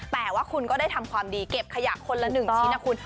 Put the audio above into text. แต่ว่าคุณก็ได้ทำความดีเก็บขยะคนละ๑ชิ้นนะคุณ